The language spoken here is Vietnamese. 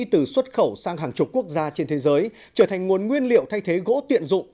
từ xuất khẩu sang hàng chục quốc gia trên thế giới trở thành nguồn nguyên liệu thay thế gỗ tiện dụng